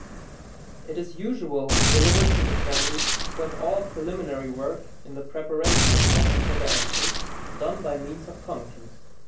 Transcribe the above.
It is usual in deliberative assemblies, to have all preliminary work in the preparation of matter for their action, done by means of committees.